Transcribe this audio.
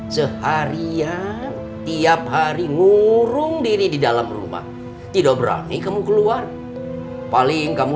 seharian tiap hari ngurung diri di dalam rumah tidak berani kamu keluar paling kamu